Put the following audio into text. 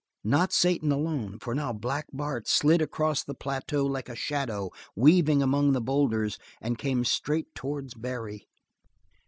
Not Satan alone, for now Black Bart slid across the plateau like a shadow, weaving among the boulders, and came straight towards Barry.